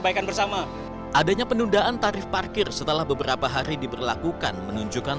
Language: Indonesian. sampaikan bersama adanya penundaan tarif parkir setelah beberapa hari diberlakukan menunjukkan